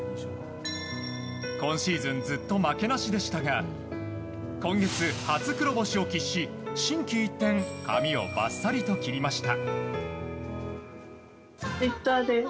今シーズンずっと負けなしでしたが今月、初黒星を喫し心機一転髪をバッサリと切りました。